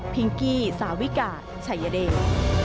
งกี้สาวิกาชัยเดช